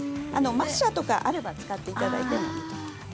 マッシャーとかあったら使っていただいて。